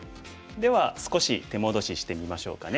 では少し手戻ししてみましょうかね。